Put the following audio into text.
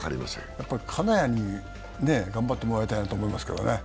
やっぱり金谷に頑張ってもらいたいと思いますね。